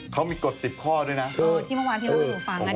เขามีกฎสิบข้อด้วยนะที่เมื่อวานพี่เราไปดูฟัง